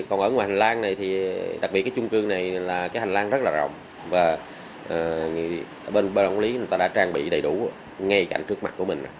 ông hùng đã trang bị đầy đủ ngay cảnh trước mặt của mình